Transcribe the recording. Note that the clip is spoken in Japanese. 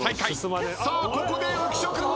さあここで浮所君が。